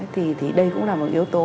thì đây cũng là một yếu tố